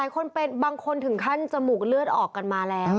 คือบางคนถึงขั้นจมูกเลือดออกกันมาแล้วนะครับ